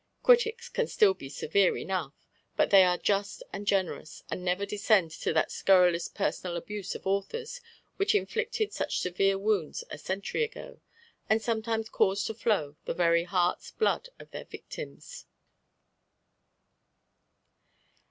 Critics can still be severe enough, but they are just and generous, and never descend to that scurrilous personal abuse of authors which inflicted such severe wounds a century ago, and sometimes caused to flow the very heart's blood of their victims.